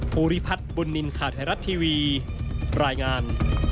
ภูริพัฒน์บุญนินทร์ข่าวไทยรัฐทีวีรายงาน